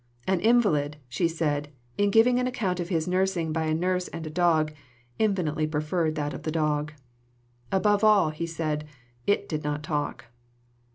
"An invalid," she said, "in giving an account of his nursing by a nurse and a dog, infinitely preferred that of the dog. 'Above all,' he said, 'it did not talk.'"